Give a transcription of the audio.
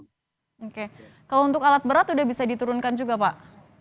oke kalau untuk alat berat sudah bisa diturunkan juga pak